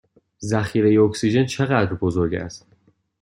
ذخیره اکسیژن چه قدر بزرگ است؟